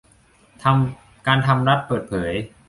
การทำรัฐเปิดเผย